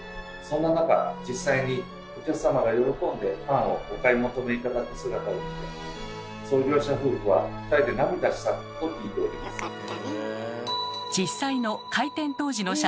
そんな中実際にお客様が喜んでパンをお買い求め頂く姿を見て創業者夫婦は２人で涙したと聞いております。